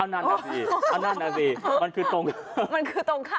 เอานั่นนะสิเอานั่นนะสิมันคือตรงมันคือตรงข้าง